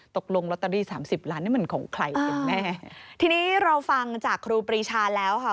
ตกลงลอตเตอรี่สามสิบล้านนี่มันของใครกันแน่ทีนี้เราฟังจากครูปรีชาแล้วค่ะ